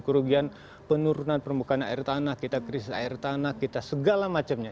kerugian penurunan permukaan air tanah kita krisis air tanah kita segala macamnya